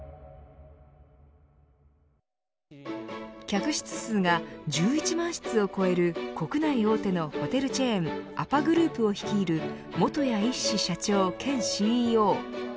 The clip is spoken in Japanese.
客室数が１１万室を超える国内大手のホテルチェーンアパグループを率いる元谷一志社長兼ＣＥＯ。